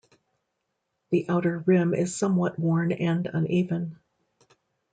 The outer rim is somewhat worn and uneven.